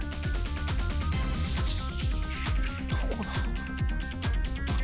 どこだ？